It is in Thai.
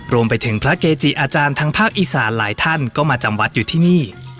รวมไปถึงพระเกจิอาจารย์ทางภาคอีสานหลายท่านก็มาจำวัดอยู่ที่นี่